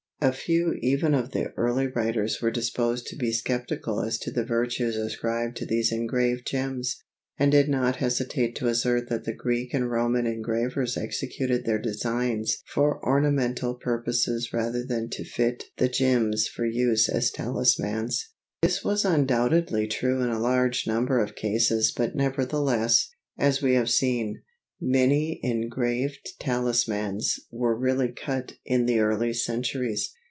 A few even of the early writers were disposed to be sceptical as to the virtues ascribed to these engraved gems, and did not hesitate to assert that the Greek and Roman engravers executed their designs for ornamental purposes rather than to fit the gems for use as talismans. This was undoubtedly true in a large number of cases but nevertheless, as we have seen, many engraved talismans were really cut in the early centuries.